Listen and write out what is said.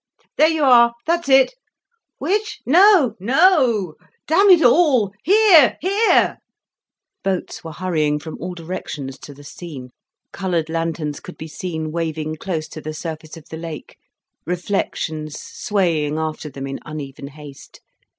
There you are—that's it. Which? No—No o o. Damn it all, here, here—" Boats were hurrying from all directions to the scene, coloured lanterns could be seen waving close to the surface of the lake, reflections swaying after them in uneven haste.